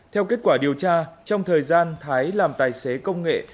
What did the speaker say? theo kết quả điều tra trong thời gian thái làm tài xế công nghệ